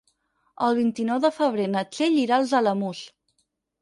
El vint-i-nou de febrer na Txell irà als Alamús.